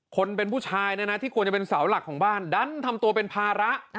คนเป็นผู้ชายนะนะที่ควรจะเป็นเสาหลักของบ้านดันทำตัวเป็นภาระ